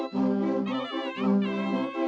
pertama suara dari biasusu